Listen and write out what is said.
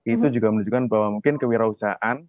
itu juga menunjukkan bahwa mungkin kewirausahaan